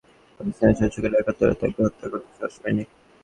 হয়তো সেই চাপের কারণেই পাকিস্তানি শাসকেরা একাত্তরে তাঁকে হত্যা করতে সাহস পাননি।